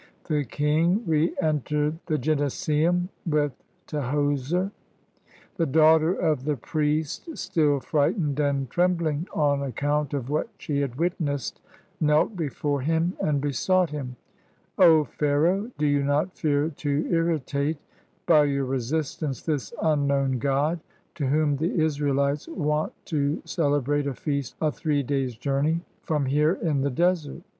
The king reentered the gynecceum with Tahoser. The daughter of the priest, still frightened and trem bling on account of what she had witnessed, knelt before him and besought him, — "0 Pharaoh, do you not fear to irritate by your re sistance this unknown God to whom the Israelites want to celebrate a feast a three days' journey from here in the desert?